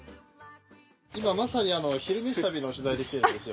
今まさに「昼めし旅」の取材で来てるんですよ。